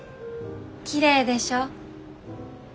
きれいでしょ？